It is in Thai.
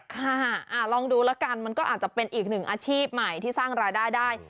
ค่ะลองดูแล้วกันมันก็อาจจะเป็นอีกหนึ่งอาชีพใหม่ที่สร้างรายได้ได้